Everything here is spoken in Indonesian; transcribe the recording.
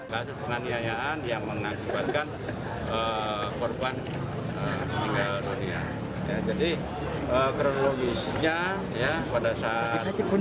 hasil penganiayaan yang mengakibatkan korban tinggal dunia